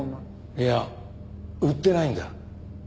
いや売ってないんだ。